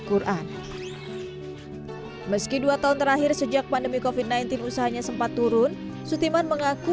quran meski dua tahun terakhir sejak pandemi kofit sembilan belas usahanya sempat turun sutiman mengaku